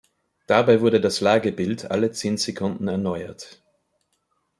Dabei wurde das Lagebild alle zehn Sekunden erneuert.